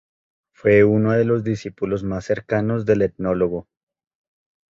Fue uno de los discípulos más cercanos del etnólogo.